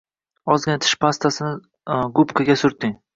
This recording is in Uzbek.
Ozgina tish pastasini gupkaga surting.